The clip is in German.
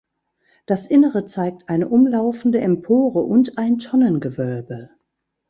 Das Innere zeigt eine umlaufende Empore und ein Tonnengewölbe.